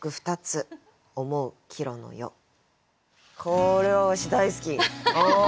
これはわし大好き。